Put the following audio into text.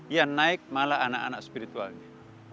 yang naik malah anak anak spiritualnya